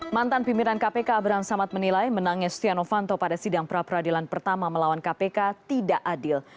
mantan pimpinan kpk abraham samad menilai menangnya stiano fanto pada sidang pra peradilan pertama melawan kpk tidak adil